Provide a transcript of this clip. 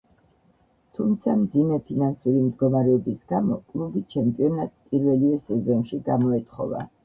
თუმცა, მძიმე ფინანსური მდგომარეობის გამო კლუბი ჩემპიონატს პირველივე სეზონში გამოეთხოვა.